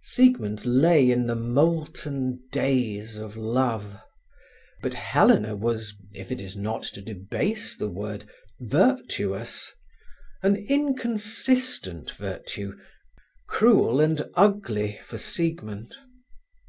Siegmund lay in the molten daze of love. But Helena was, if it is not to debase the word, virtuous: an inconsistent virtue, cruel and ugly for Siegmund.